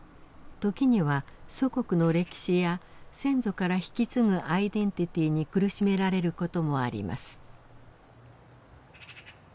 時には祖国の歴史や先祖から引き継ぐアイデンティティーに苦しめられる事もあります。